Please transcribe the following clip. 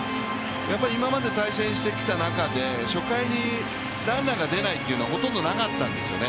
今まで対戦してきた中で初回にランナーが出ないというのはほとんどなかったですよね。